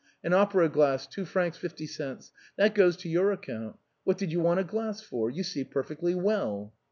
an opera glass, 2 fr. 50 c' — that goes to your account. What did you want a glass for? You see per fectly well."